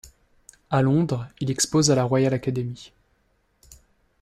À Londres, il expose à la Royal Academy.